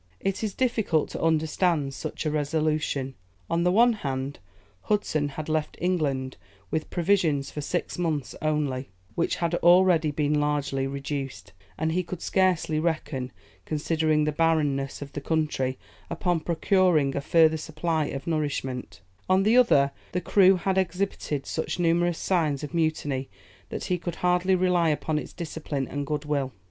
It is difficult to understand such a resolution. On the one hand, Hudson had left England with provisions for six months only, which had already been largely reduced, and he could scarcely reckon, considering the barrenness of the country, upon procuring a further supply of nourishment; on the other, the crew had exhibited such numerous signs of mutiny, that he could hardly rely upon its discipline and good will.